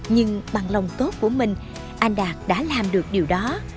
nhưng bằng lòng tốt của mình anh đạt đã làm được điều đó